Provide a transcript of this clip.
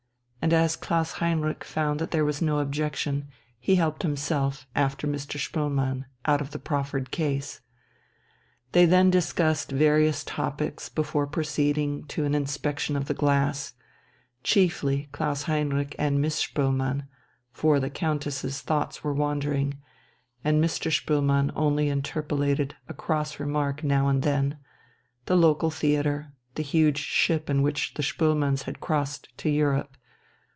And as Klaus Heinrich found that there was no objection, he helped himself, after Mr. Spoelmann, out of the proffered case. They then discussed various topics before proceeding to an inspection of the glass chiefly Klaus Heinrich and Miss Spoelmann, for the Countess's thoughts were wandering, and Mr. Spoelmann only interpolated a cross remark now and then: the local theatre, the huge ship in which the Spoelmanns had crossed to Europe.